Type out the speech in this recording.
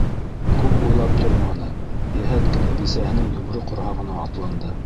Күп уйлап торманы, йәһәт кенә бисәһенең йомро ҡорһағына атланды.